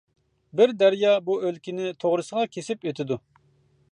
بىر دەريا بۇ ئۆلكىنى توغرىسىغا كېسىپ ئۆتىدۇ.